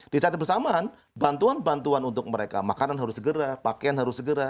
di saat bersamaan bantuan bantuan untuk mereka makanan harus segera pakaian harus segera